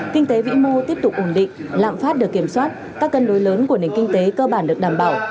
kinh tế vĩ mô tiếp tục ổn định lạm phát được kiểm soát các cân đối lớn của nền kinh tế cơ bản được đảm bảo